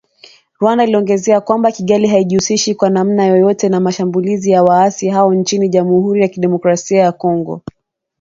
Rwanda iliongezea kwamba “Kigali haijihusishi kwa namna yoyote na mashambulizi ya waasi hao nchini Jamhuri ya kidemokrasia ya Kongo